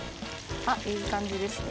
いい感じですね。